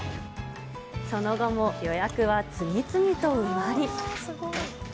その後も予約は次々と埋まり。